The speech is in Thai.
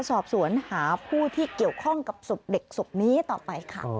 สอบสวนหาผู้ที่เกี่ยวข้องกับศพเด็กศพนี้ต่อไปค่ะ